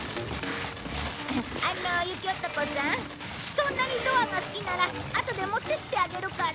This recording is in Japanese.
そんなにドアが好きならあとで持ってきてあげるから。